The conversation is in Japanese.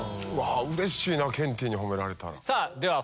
うれしいなケンティーに褒められたら。